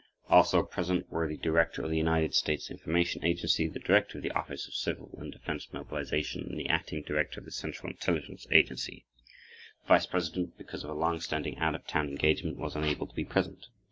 Also present were the Director of the United States Information Agency, the Director of the Office of Civil and Defense Mobilization, and the Acting Director of the Central Intelligence Agency. The Vice President, because of a long standing out of town engagement, was unable to be present.